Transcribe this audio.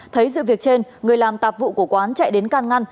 thấy sự việc trên người làm tạp vụ của quán chạy đến can ngăn